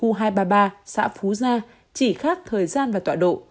u hai trăm ba mươi ba xã phú gia chỉ khác thời gian và tọa độ